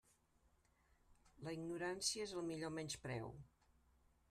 La ignorància és el millor menyspreu.